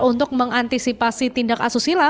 untuk mengantisipasi tindak asusila